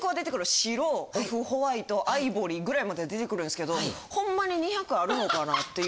白・オフホワイト・アイボリーぐらいまでは出てくるんですけどホンマに２００あるのかなという。